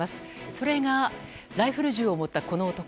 それがライフル銃を持ったこの男。